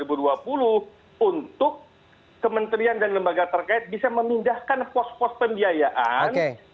untuk kementerian dan lembaga terkait bisa memindahkan pos pos pembiayaan